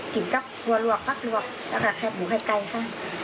กินกับหัวลวกปั๊กลวกแล้วก็แคบหมูไฟไกลค่ะ